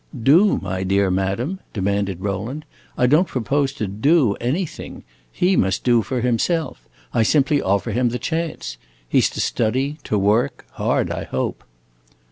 "Do, my dear madam?" demanded Rowland. "I don't propose to do anything. He must do for himself. I simply offer him the chance. He 's to study, to work hard, I hope."